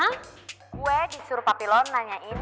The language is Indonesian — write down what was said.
gue disuruh papi lo nanyain